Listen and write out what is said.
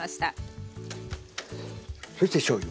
そしてしょうゆ。